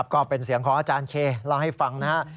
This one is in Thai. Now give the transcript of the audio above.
ก็เป็นเสียงของอาจารย์เคเล่าให้ฟังนะครับ